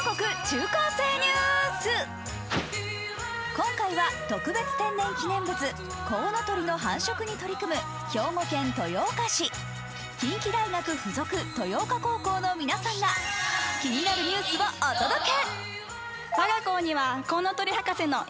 今回は特別天然記念物、コウノトリの繁殖に取り組む兵庫県豊岡市近畿大学附属豊岡高等学校の皆さんが気になるニュースをお届け。